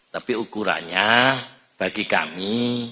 tapi ukurannya bagi kami